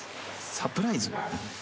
サプライズ？